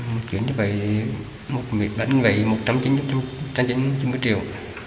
một chuyện như vậy một miệng bánh vậy một trăm chín mươi triệu